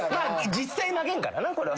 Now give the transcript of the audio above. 実際投げんからなこれは。